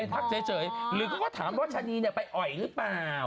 ทักเฉยหรือเขาก็ถามว่าชะนีไปอ่อยหรือเปล่า